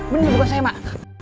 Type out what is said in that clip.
bener bukan saya mak